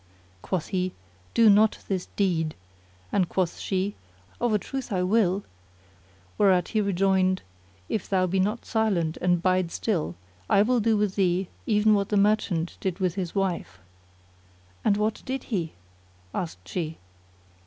Quoth he, "Do not this deed;" and quoth she, "Of a truth I will:" whereat he rejoined, "If thou be not silent and bide still, I will do with thee even what the merchant did with his wife." "And what did he?" asked she.